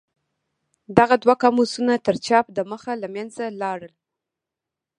دغه دوه قاموسونه تر چاپ د مخه له منځه لاړل.